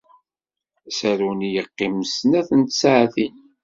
Asaru-nni yeqqim snat n tsaɛtin.